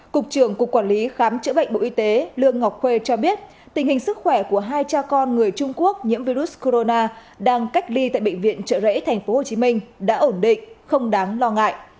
cục trưởng cục quản lý khám chữa bệnh bộ y tế lương ngọc khuê cho biết tình hình sức khỏe của hai cha con người trung quốc nhiễm virus corona đang cách ly tại bệnh viện trợ rẫy tp hcm đã ổn định không đáng lo ngại